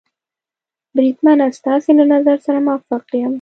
بریدمنه، ستاسې له نظر سره موافق یم.